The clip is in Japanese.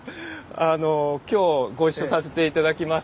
今日ご一緒させて頂きます